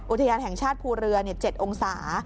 อุทยานแห่งชาติภูเรือ๗องศา